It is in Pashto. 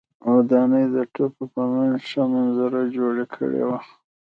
ودانۍ د تپو په منځ ښه منظره جوړه کړې وه.